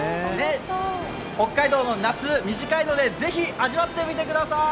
北海道の夏、短いのでぜひ味わってみてくださーい！